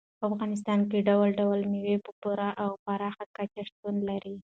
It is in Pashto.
په افغانستان کې ډول ډول مېوې په پوره او پراخه کچه شتون لري.